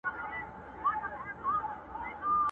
لوڅ بدن ته خړي سترگي يې نيولي!.